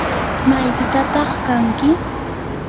¿maypitataq kanki?